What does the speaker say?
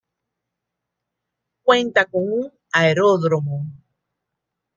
Cuenta con un aeródromo.